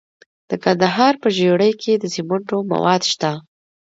د کندهار په ژیړۍ کې د سمنټو مواد شته.